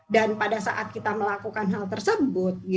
dan pada saat kita melakukan hal tersebut